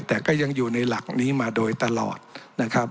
แต่ก็ยังอยู่ในหลักนี้มาโดยตลอดนะครับ